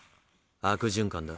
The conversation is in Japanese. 悪循環だ。